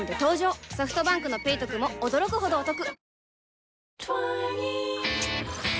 ソフトバンクの「ペイトク」も驚くほどおトク